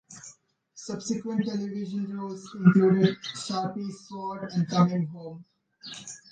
Subsequent television roles included "Sharpe's Sword" and "Coming Home".